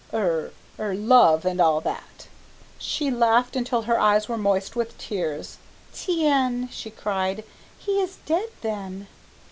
"Er er love and all that." She laughed until her eyes were moist with tears. "Tiens," she cried, "he is dead, then!"